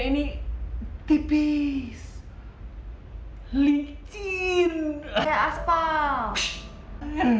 enak aja matanya